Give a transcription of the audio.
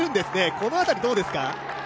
この辺りどうですか。